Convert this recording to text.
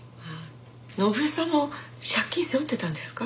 伸枝さんも借金背負ってたんですか？